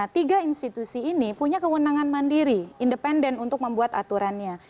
tiga institusi ini punya kewenangan mandiri independen untuk membuat aturannya